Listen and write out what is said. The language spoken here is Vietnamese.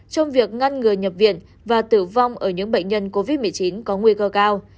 trong việc ngăn ngừa nhập viện và tử vong ở những bệnh nhân covid một mươi chín có nguy cơ cao